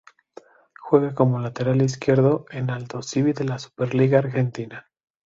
Juega como lateral izquierdo en Aldosivi de la Superliga Argentina.